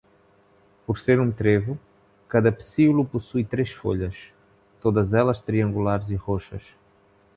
Por ser um trevo, cada pecíolo possui três folhas, todas elas triangulares e roxas.